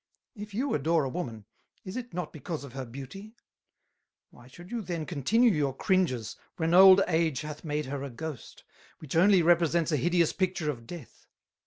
If you adore a Woman, is it not because of her Beauty? Why should you then continue your Cringes, when Old Age hath made her a Ghost, which only represents a hideous Picture of Death?